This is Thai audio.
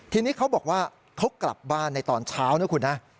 ทีนี้เขาบอกว่าเขากลับบ้านในตอนเช้านะคุณนะ